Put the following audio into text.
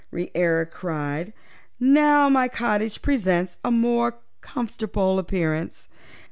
Reera cried, "now my cottage presents a more comfortable appearance.